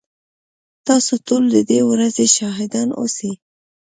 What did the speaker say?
تاسو ټول ددې ورځي شاهدان اوسئ